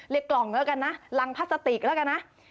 เรียกกล่องแล้วกันนะรังพลาสติกแล้วกันนะ